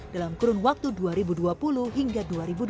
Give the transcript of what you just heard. dalam kurun waktu dua ribu dua puluh hingga dua ribu dua puluh